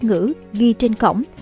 ngữ ghi trên cổng